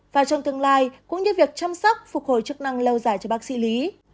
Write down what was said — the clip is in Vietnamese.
và trong tương lai cũng như việc chăm sóc phục hồi chức năng lâu dài cho bác sĩ lý